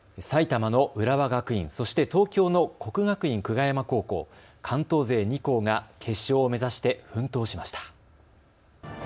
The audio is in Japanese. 埼玉の浦和学院、そして東京の国学院久我山高校、関東勢２校が決勝を目指して奮闘しました。